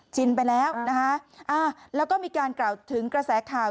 ชินไปแล้วนะคะแล้วก็มีการกล่าวถึงกระแสข่าว